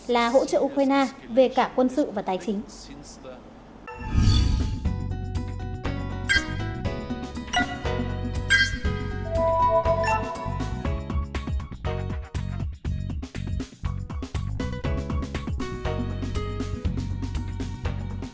tổng thư ký nato jen stoltenberg là hỗ trợ ukraine về cả quân sự và tài chính